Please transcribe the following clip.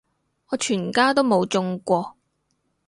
我全家都冇中過